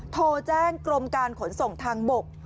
โทรแจ้งกรมการขนส่งทางบก